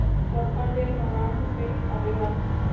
Su alcalde es Rolando F. Arreola.